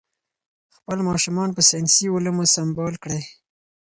خپل ماشومان په ساینسي علومو سمبال کړئ.